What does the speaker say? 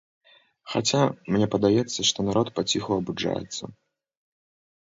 Хаця, мне падаецца, што народ паціху абуджаецца.